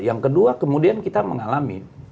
yang kedua kemudian kita mengalami